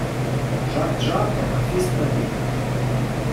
Жарт жартом, а фіст набік.